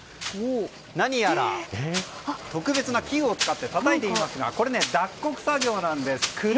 何やら特別な木を使ってたたいていますがこれ、脱穀作業なんです。